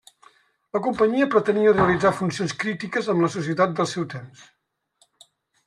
La companyia pretenia realitzar funcions crítiques amb la societat del seu temps.